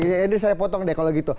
jadi saya potong deh kalau gitu